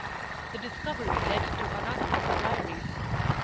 The discovery led to another inquiry.